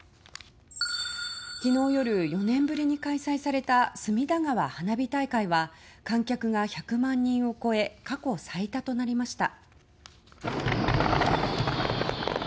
昨日夜、４年ぶりに開催された隅田川花火大会は観客が１００万人を超え過去最多となりました。